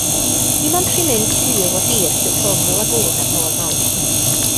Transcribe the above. Dim ond rhimyn cul o dir sydd rhwng y lagŵn a'r môr mawr.